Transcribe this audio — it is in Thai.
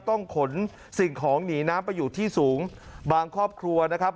ต้องขนสิ่งของหนีน้ำไปอยู่ที่สูงบางครอบครัวนะครับ